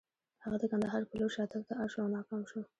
هغه د کندهار په لور شاتګ ته اړ شو او ناکام شو.